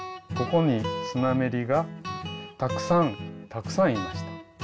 ここにスナメリがたくさんたくさんいました。